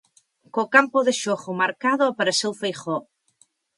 Co campo de xogo marcado, apareceu Feijóo.